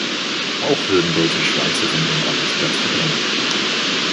Auch würden Deutsche Schweizer von ihrem Arbeitsplatz verdrängen.